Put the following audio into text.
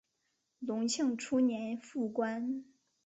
隆庆初年复官。